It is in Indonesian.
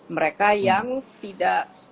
mereka yang tidak